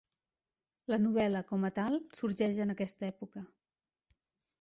La novel·la com a tal sorgeix en aquesta època.